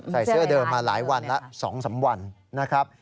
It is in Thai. ใส่เสื้อเดิมมาหลายวันแล้ว๒๓วันนะครับ